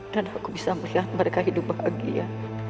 dan aku bisa melihat mereka hidup bahagia